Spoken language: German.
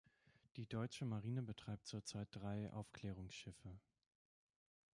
Die Deutsche Marine betreibt zurzeit drei Aufklärungsschiffe.